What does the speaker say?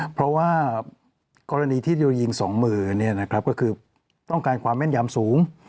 เพราะว่ากรณีที่จะยิงสองมือเนี่ยนะครับก็คือต้องการความแม่นยามสูง